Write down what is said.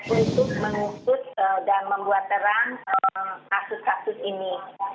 untuk mengusut dan membuat terang kasus kasus ini